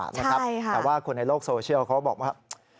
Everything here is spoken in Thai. แต่ว่าคนในโลกโซเชียลเขาบอกว่า